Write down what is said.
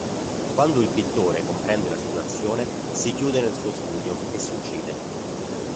Quando il pittore comprende la situazione, si chiude nel suo studio e si uccide.